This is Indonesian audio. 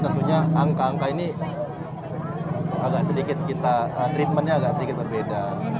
tentunya angka angka ini agak sedikit kita treatmentnya agak sedikit berbeda